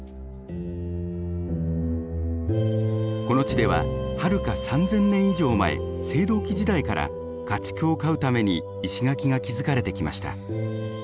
この地でははるか３，０００年以上前青銅器時代から家畜を飼うために石垣が築かれてきました。